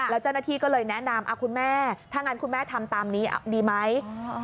แล้วเจ้าหน้าที่ก็เลยแนะนำคุณแม่ถ้างั้นคุณแม่ทำตามนี้ดีไหม